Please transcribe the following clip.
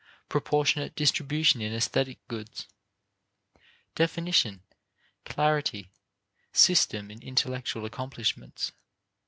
proportionate distribution in aesthetic goods; definition, clarity, system in intellectual accomplishments.